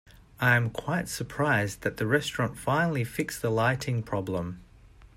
I am quite surprised that the restaurant finally fixed the lighting problem.